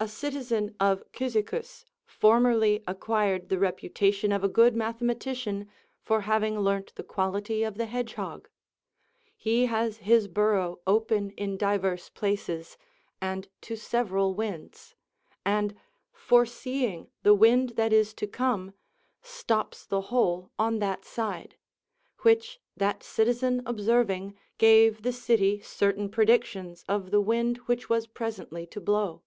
A citizen of Cyzicus formerly acquired the reputation of a good mathematician for having learnt the quality of the hedge hog: he has his burrow open in divers places, and to several winds, and, foreseeing the wind that is to come, stops the hole on that side, which that citizen observing, gave the city certain predictions of the wind which was presently to blow.